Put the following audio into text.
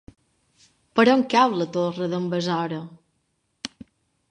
Per on cau la Torre d'en Besora?